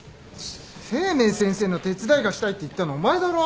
清明先生の手伝いがしたいって言ったのお前だろ？